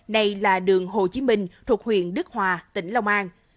này là đường hồ chí minh thuộc huyện đức hòa tỉnh long an